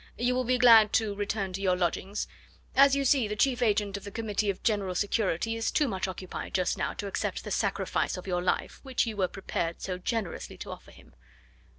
"You will be glad to return to your lodgings. As you see, the chief agent of the Committee of General Security is too much occupied just now to accept the sacrifice of your life which you were prepared so generously to offer him."